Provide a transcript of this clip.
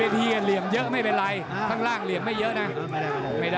ทีเหลี่ยมเยอะไม่เป็นไรข้างล่างเหลี่ยมไม่เยอะนะไม่ได้